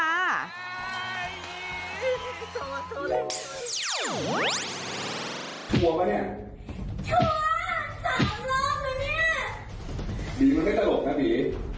ไม่ต้องหลอกนะฟี